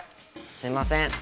すいません。